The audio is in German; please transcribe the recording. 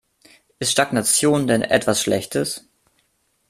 Ist Stagnation denn etwas Schlechtes?